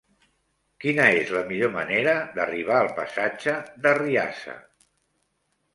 Quina és la millor manera d'arribar al passatge d'Arriassa?